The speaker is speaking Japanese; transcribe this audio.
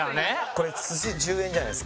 これ寿司１０円じゃないですか。